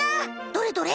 どれどれ？